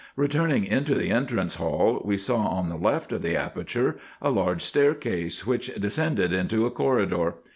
Keturning into the entrance hall, we saw on the left of the aperture a large staircase, which descended into a corridor.